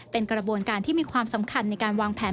เป็นกระบวนการที่มีความสำคัญในการวางแผน